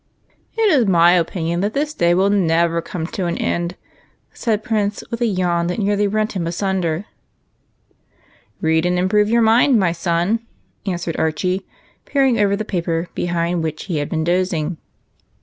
" It is my opinion that this day will never come to an end," said Prince, with a yawn that nearly rent him asunder. " Read and improve your mind, my son," answered Archie, peering solemnly over the paper behind which he had been dozing.